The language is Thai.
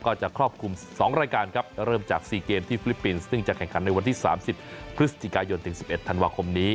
ก็จะครอบคลุม๒รายการครับเริ่มจาก๔เกมที่ฟิลิปปินส์ซึ่งจะแข่งขันในวันที่๓๐พฤศจิกายนถึง๑๑ธันวาคมนี้